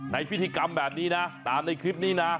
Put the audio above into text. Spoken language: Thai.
พิธีกรรมแบบนี้นะตามในคลิปนี้นะ